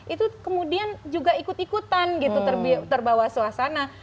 itu kemudian juga ikut ikutan gitu terbawa suasana